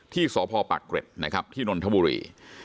ที่สพปรักเกร็ดที่นนทบุรี